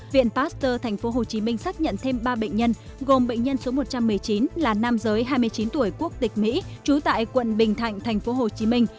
viện pasteur thành phố hồ chí minh xác nhận thêm ba bệnh nhân gồm bệnh nhân số một trăm một mươi chín là nam giới hai mươi chín tuổi quốc tịch mỹ trú tại quận bình thạnh thành phố hồ chí minh